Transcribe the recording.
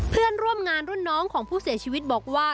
เพื่อนร่วมงานรุ่นน้องของผู้เสียชีวิตบอกว่า